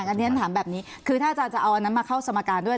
อันนี้ฉันถามแบบนี้คือถ้าอาจารย์จะเอาอันนั้นมาเข้าสมการด้วย